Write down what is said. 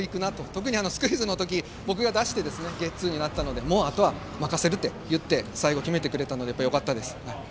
特にスクイズの時僕が出してゲッツーになったのでもうあとは任せると言って最後決めてくれたのでよかったです。